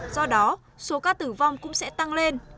do đó số ca tử vong cũng sẽ tăng lên